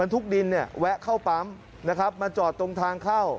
ทุกดินเนี่ยแวะเข้าปั๊มนะครับมาจอดตรงทางเข้า